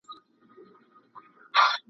وئیل یې یو عذاب د انتظار په نوم یادېږي ..